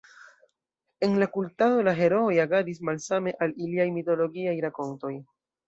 En la kultado, la herooj agadis malsame al iliaj mitologiaj rakontoj.